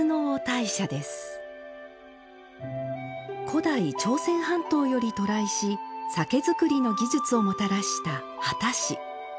古代朝鮮半島より渡来し酒造りの技術をもたらした秦氏。